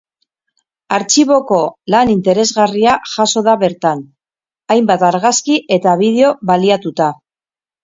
Artxiboko lan interesgarria jaso da bertan, hainbat argazki eta bideo baliatuta.